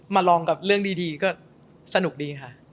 มาลองกับเรื่องดีก็สนุกดีค่ะ